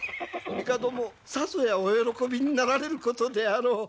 帝もさぞやお喜びになられることであろう。